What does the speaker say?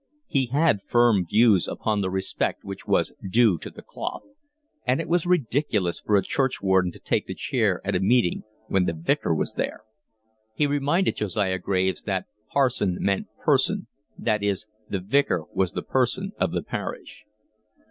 He had firm views upon the respect which was due to the cloth, and it was ridiculous for a churchwarden to take the chair at a meeting when the Vicar was there. He reminded Josiah Graves that parson meant person, that is, the vicar was the person of the parish.